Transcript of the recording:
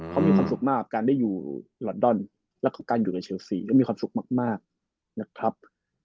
เขามีความสุขมากการได้อยู่ลอนดอนและของการอยู่ในเชลซีก็มีความสุขมากนะครับ